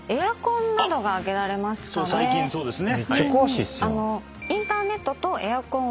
最近そうですね。